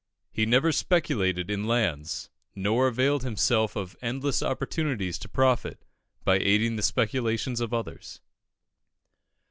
He never speculated in lands, nor availed himself of endless opportunities to profit, by aiding the speculations of others.